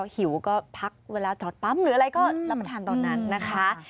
หิวก็พักเวลาจอดปั๊มหรืออะไรก็รับประทานตอนนั้นนะคะ